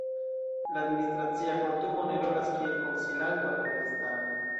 La Administracia Kortumo ne rolas kiel konsilanto al la registaro.